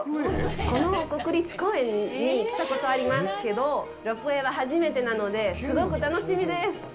この国立公園に来たことありますけど、ロープウエーは初めてなので、すごく楽しみです！